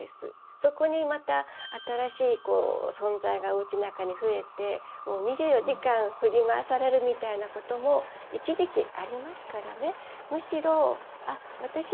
そこにまた新しい存在がおうちの中に増えてもう２４時間振り回されるみたいなことも一時期ありますからね。